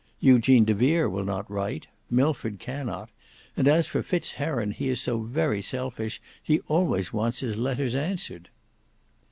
Eugene de Vere will not write, Milford cannot; and as for Fitz heron he is so very selfish, he always wants his letters answered."